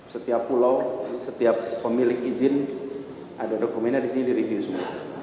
setiap pulau setiap pemilik izin ada dokumennya di sini direview semua